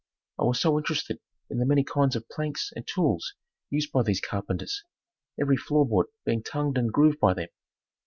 I was so interested in the many kinds of planks and tools used by these carpenters, every floor board being tongued and groved by them.